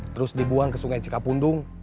terus dibuang ke sungai cikapundung